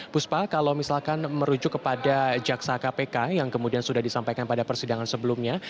puspa kalau misalkan merujuk kepada jaksa kpk yang kemudian sudah disampaikan pada persidangan sebelumnya